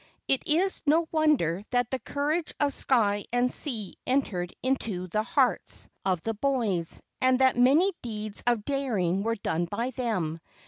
It is no wonder that the courage of sky and sea entered into the hearts LEGENDS OF GHOSTS 5 ° of the boys, and that many deeds of daring were done by them.